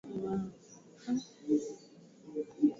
Nvula kama inanza mishita rima lwangu